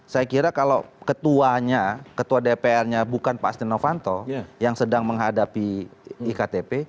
saya kira kalau ketuanya ketua dprnya bukan pak siti anufanto yang sedang menghadapi iktp